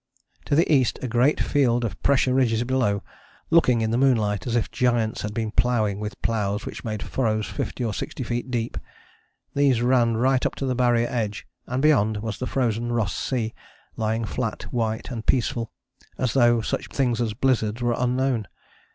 To the east a great field of pressure ridges below, looking in the moonlight as if giants had been ploughing with ploughs which made furrows fifty or sixty feet deep: these ran right up to the Barrier edge, and beyond was the frozen Ross Sea, lying flat, white and peaceful as though such things as blizzards were unknown.